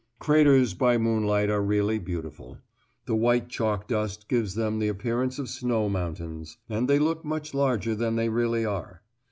Craters by moonlight are really beautiful; the white chalk dust gives them the appearance of snow mountains. And they look much larger than they really are.